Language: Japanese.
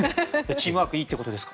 チームワークがいいってことですか？